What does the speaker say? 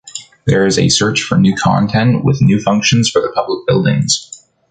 There is a search for new content with new functions for the public buildings.